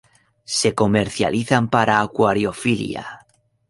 Se comercializan para acuariofilia.